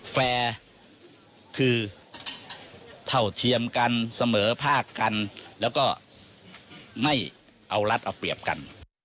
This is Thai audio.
แฟร์คือเท่าเทียมกันเสมอภาคกันแล้วก็ไม่เอารัฐเอาเปรียบกัน